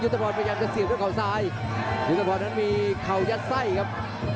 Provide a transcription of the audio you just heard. ยุธบอลพยายามจะเสียด้วยเข้าซ้ายยุธบอลนั้นมีเขายัดใส่ครับ